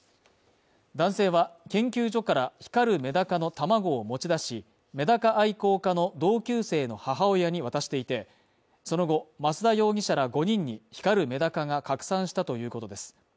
男性は研究所から光るメダカの卵を持ち出し、メダカ愛好家の同級生の母親に渡していて、その後、増田容疑者ら５人に光るメダカが拡散したということです。